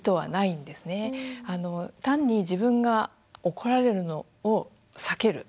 単に自分が怒られるのを避ける